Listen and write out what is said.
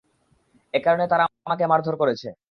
এ কারণে তারা আমাকে মারধর করেছে।